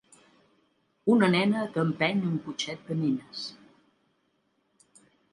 Una nena que empeny un cotxet de nines